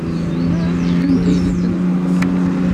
Anda ay ten-tnehṛem?